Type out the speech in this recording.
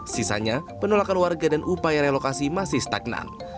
sisanya penolakan warga dan upaya relokasi masih stagnan